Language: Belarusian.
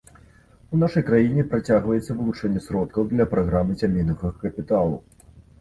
У нашай краіне працягваецца вылучэнне сродкаў для праграмы сямейнага капіталу.